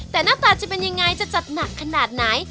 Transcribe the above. แต่หน้าตาจะเป็นยังไงจะจัดหนักขนาดไหน